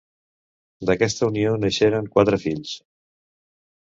D'aquesta unió naixerien quatre fills: